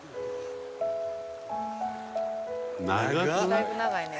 だいぶ長いね。